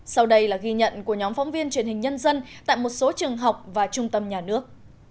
sau đây là ghi nhận của nhóm phóng viên truyền hình nhân dân tại một số trường học và trung tâm nhà nước